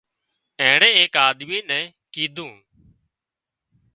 اينڻي ايڪ آۮمِي نين ڪيڌون